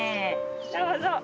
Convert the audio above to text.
どうぞ。